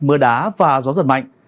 mưa đá và gió giật mạnh